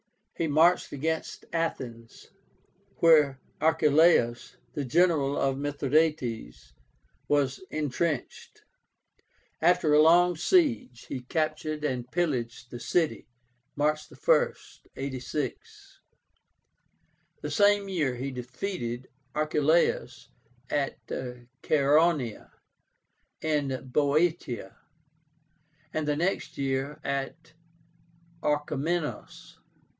He marched against Athens, where Archeláus, the general of Mithradátes, was intrenched. After a long siege, he captured and pillaged the city, March 1, 86. The same year he defeated Archeláus at CHAERONÉA in Boeotia, and the next year at ORCHOMENOS.